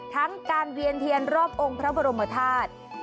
ทั้งการเวียนเทียนรอบองค์พระบรมธาตุ